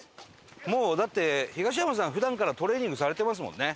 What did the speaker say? もうだって東山さん普段からトレーニングされてますもんね。